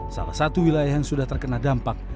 salah satu wilayah yang sudah terkena dampak